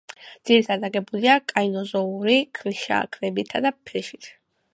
ძირითადად აგებულია კაინოზოური ქვიშაქვებითა და ფლიშით.